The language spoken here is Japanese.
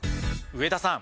上田さん